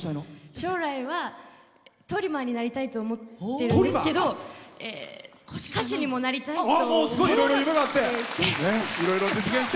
将来は、トリマーになりたいと思ってるんですけど歌手にもなりたいと思っていて。